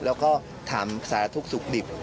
แล้วก็ถามสารทุกข์สุขดิบ